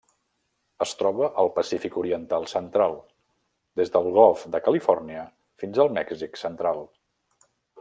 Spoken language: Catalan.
Es troba al Pacífic oriental central: des del Golf de Califòrnia fins al Mèxic central.